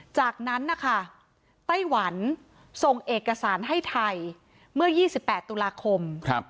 จากนั้นนะคะไต้หวันส่งเอกสารให้ไทยเมื่อ๒๘ตุลาคม